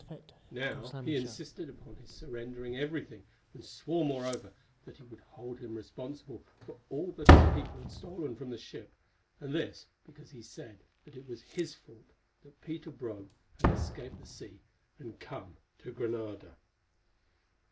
Now he insisted upon his surrendering everything, and swore, moreover, that he would hold him responsible for all that his people had stolen from the ship, and this because he said that it was his fault that Peter Brome had escaped the sea and come on to Granada.